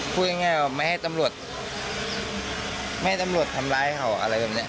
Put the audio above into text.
พูดง่ายว่าไม่ให้ตำรวจทำร้ายเขาอะไรแบบนี้